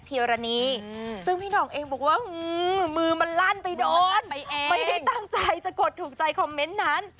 พิโรนีอืมซึ่งพี่นอกเองบอกว่าอืมมือมันลั่นไปโดนมันลั่นไปเองไม่ได้ตั้งใจจะกดถูกใจคอมเม้นท์นั้น